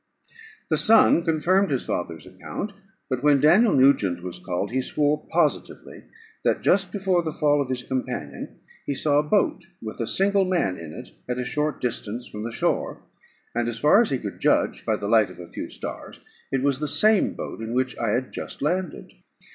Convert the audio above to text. The son confirmed his father's account: but when Daniel Nugent was called, he swore positively that, just before the fall of his companion, he saw a boat, with a single man in it, at a short distance from the shore; and, as far as he could judge by the light of a few stars, it was the same boat in which I had just landed.